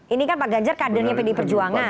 ini kan pak ganjar kadernya pdi perjuangan